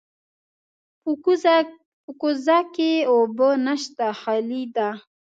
په کوزه کې اوبه نشته، خالي ده.